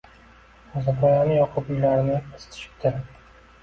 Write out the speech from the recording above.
G‘o‘zapoyani yoqib uylarni isitishibdi.